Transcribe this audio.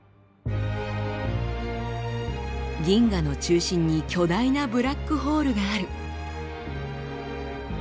「銀河の中心に巨大なブラックホールがある」。